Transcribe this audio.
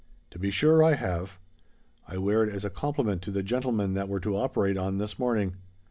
To be sure I have. I wear it as a compliment to the gentleman that we're to operate on this morning.